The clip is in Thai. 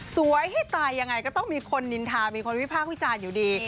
ให้ตายยังไงก็ต้องมีคนนินทามีคนวิพากษ์วิจารณ์อยู่ดี